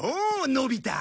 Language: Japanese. のび太。